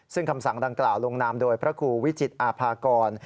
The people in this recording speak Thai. ซึ่งคำสั่งดังกล่าวลงนามโดยพระครูวิจิตอาภากร